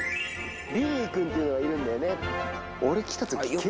ビリー君っていうのがいるんだよね。